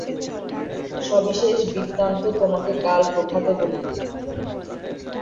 সবিশেষ বৃত্তান্ত তোমাকে কাল প্রভাতে বলিব।